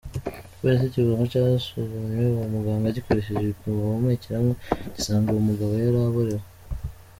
Igipolisi kivuga ko casuzumye uwo muganga gikoresheje igipimo bahumekeramwo, gisanga uwo mugabo yari aborewe.